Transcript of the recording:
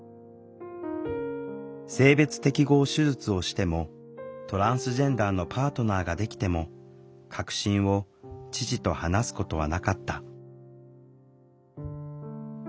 性別適合手術をしてもトランスジェンダーのパートナーができても核心を父と話すことはなかった。